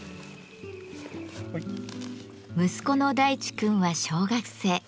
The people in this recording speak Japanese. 息子の大地君は小学生。